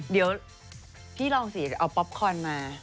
เดี๋ยวพี่ลองสิเอาป๊อปคอนมา